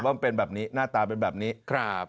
ว่าน่าตาเป็นแบบนี้ครับ